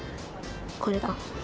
これだ。